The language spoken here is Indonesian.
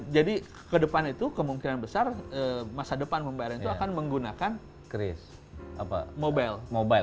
ke depan itu kemungkinan besar masa depan pembayaran itu akan menggunakan kris mobile